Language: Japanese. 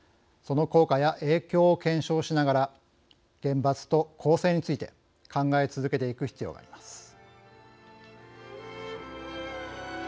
その効果や影響を検証しながら厳罰と更生について考え続けていく必要があります。